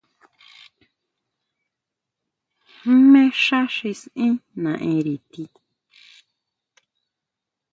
¿Jmé xá xi saʼen naʼénri ti?